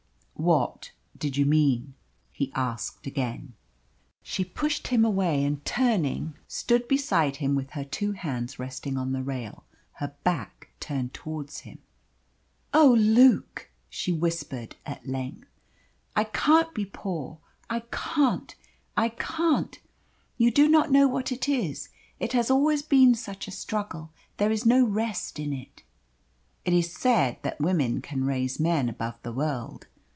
"What did you mean?" he asked again. She pushed him away, and turning stood beside him with her two hands resting on the rail, her back turned towards him. "Oh, Luke," she whispered at length, "I can't be poor I CAN'T I can't. You do not know what it is. It has always been such a struggle there is no rest in it." It is said that women can raise men above the world.